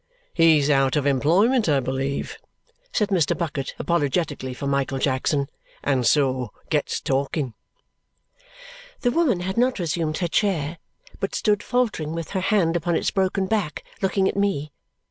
"He's out of employment, I believe," said Mr. Bucket apologetically for Michael Jackson, "and so gets talking." The woman had not resumed her chair, but stood faltering with her hand upon its broken back, looking at me.